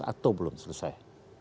atau belum selesai